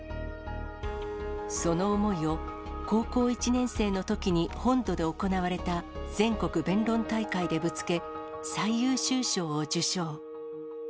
その思いを、高校１年生のときに本土で行われた全国弁論大会でぶつけ、最優秀賞を受賞。